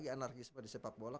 kalau ada anarkisme di sepak bola